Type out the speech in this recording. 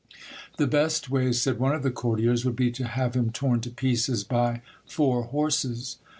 The best way, said one of the courtiers, would be to have him torn to pieces by four horses.